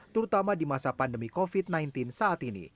terutama di masa pandemi covid sembilan belas saat ini